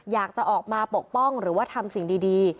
อยากจะออกมาปกป้องหรือว่าทำสิ่งดี